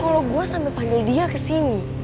eh kalo gue sampe panggil dia kesini